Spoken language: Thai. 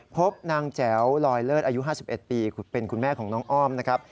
พบนางแจ๋วลอยเลิศอายุ๕๑ปีเป็นคุณแม่ของน้องอ้อมนะครับ